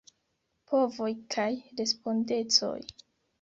Povoj kaj respondecoj.